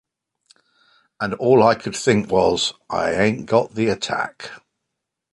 And all I could think was, 'It ain't got the attack.